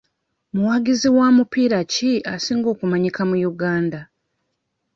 Muwagizi wa mupiira ki asinga okumanyika mu Uganda?